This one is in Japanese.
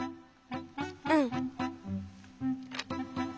うん。